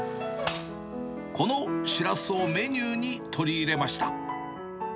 このシラスをメニューに取り入れました。